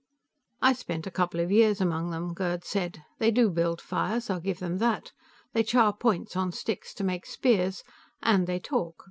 "I spent a couple of years among them," Gerd said. "They do build fires; I'll give them that. They char points on sticks to make spears. And they talk.